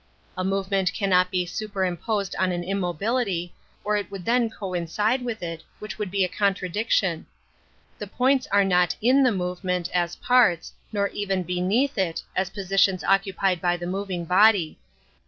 A movement cannot be superposed on an immobility, or it would then coincide with it, which would be a contradiction. The points are not in the movement, as parts, nor even beneath it, as positions occupied by the moving body.